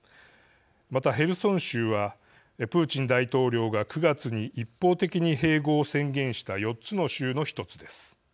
またヘルソン州はプーチン大統領が９月に一方的に併合を宣言した４つの州の１つです。